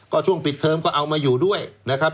ก็ช่วงปิดเทอมก็เอามาอยู่ด้วยนะครับ